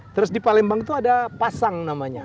terus di palembang itu ada pasang namanya